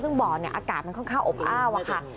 ซึ่งบ่อเนี่ยอากาศมันค่อนข้างอบอ้าวค่ะ